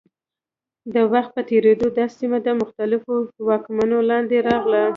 د وخت په تېرېدو دا سیمه د مختلفو واکمنیو لاندې راغله.